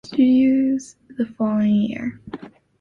Studios the following year.